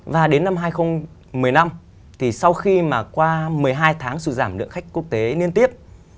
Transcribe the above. và đến năm hai nghìn một mươi năm thì sau khi mà qua một mươi hai tháng sụt giảm lượng khách quốc tế liên tiếp